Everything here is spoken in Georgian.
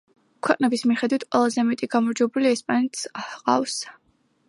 ქვეყნების მიხედვით ყველაზე მეტი გამარჯვებული ესპანეთს ჰყავს.